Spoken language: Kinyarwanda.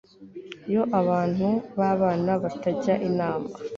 iyo abantu babana batajya inama